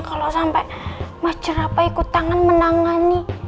kalau sampai mas jerapa ikut tangan menangani